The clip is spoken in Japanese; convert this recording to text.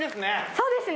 そうですね